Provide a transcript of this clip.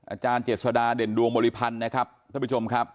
อาจารย์เจษฎาเด่นดวงบริพันธ์นะครับท่านผู้ชมครับ